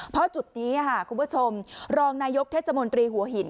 เพราะจุดนี้คุณผู้ชมรองนายกเทศมนตรีหัวหิน